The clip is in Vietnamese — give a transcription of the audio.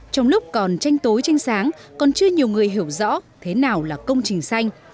trong lúc còn tranh tối tranh sáng còn chưa nhiều người hiểu rõ thế nào là công trình xanh